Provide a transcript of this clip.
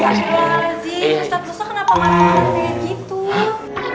ustaz ustaz ustaz kenapa marah marah kayak gitu